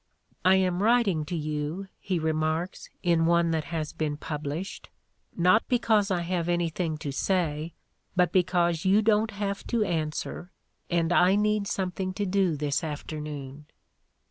"I am writing to you," he remarks, in one that has been published, "not because I have anything to say, but because you don't have to answer and I need something to do this after noon."